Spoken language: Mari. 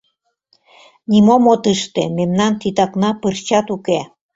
Нимом от ыште, мемнан титакна пырчат уке.